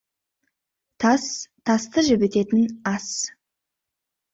Тас, тасты жібітетін ас.